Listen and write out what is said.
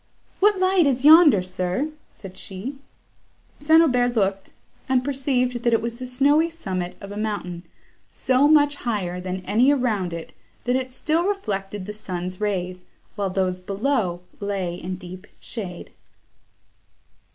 "What light is yonder, sir?" said she. St. Aubert looked, and perceived that it was the snowy summit of a mountain, so much higher than any around it, that it still reflected the sun's rays, while those below lay in deep shade.